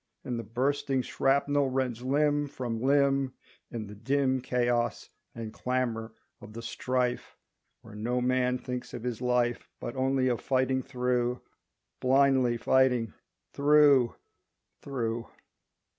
And the bursting shrapnel rends Limb from limb In the dim Chaos and clamor of the strife Where no man thinks of his life But only of fighting through, Blindly fighting through, through!